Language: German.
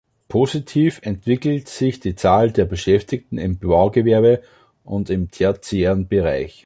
Positiv entwickelt sich die Zahl der Beschäftigten im Baugewerbe und im tertiären Bereich.